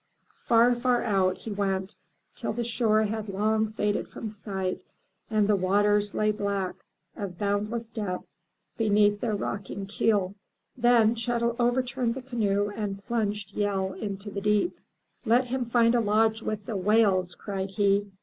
Far, far out he went till the shore had long faded from sight, and the waters lay black, of boimdless depth, beneath their rocking keel. Then Chet'l overturned the canoe and plunged Yehl into the deep. "Let him find a lodge with the whales," cried he.